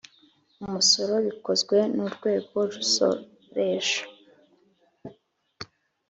umusoro bikozwe n urwego rusoresha